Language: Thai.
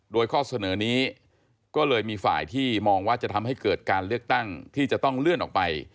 โดยข้อเสนอนี้ก็เลยมีฝ่ายที่มองว่าจะทำให้เกิดการเลือกตั้งที่จะต้องเลื่อนออกไป